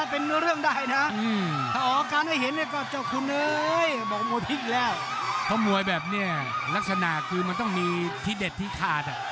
เพราะมวยแบบนี้ลักษณะคือมันต้องมีที่เด็ดที่ขาด